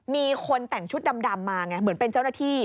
มีคนแต่งชุดดำมาไงเหมือนเป็นเจ้าหน้าที่